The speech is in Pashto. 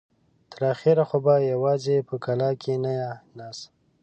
تر اخره خو به يواځې په کلاکې نه يې ناسته.